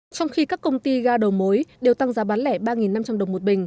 trong khi các công ty ga đầu mối đều tăng giá bán lẻ ba năm trăm linh đồng một bình